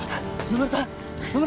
野村さん！？